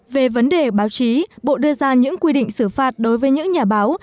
về vấn đề báo chí bộ đưa ra những quy định xử phạt đối với những nhà báo